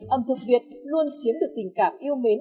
ẩm thực việt luôn chiếm được tình cảm yêu mến